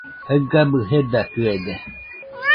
Jaɨgabɨ jedakɨede